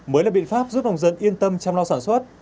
mới là biện pháp giúp nông dân yên tâm chăm lo sản xuất